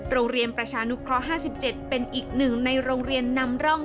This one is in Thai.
โรงเรียนประชานุเคราะห์๕๗เป็นอีกหนึ่งในโรงเรียนนำร่อง